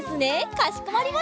かしこまりました。